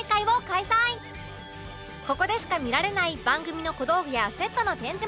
ここでしか見られない番組の小道具やセットの展示も